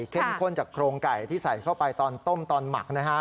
ข้นจากโครงไก่ที่ใส่เข้าไปตอนต้มตอนหมักนะฮะ